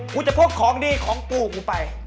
กูจะพกของดีของกูไป